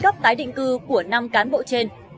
gấp tái định cư của năm cán bộ trên